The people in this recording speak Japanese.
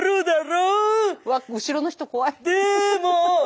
うわっ後ろの人怖い。